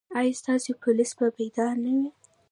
ایا ستاسو پولیس به بیدار نه وي؟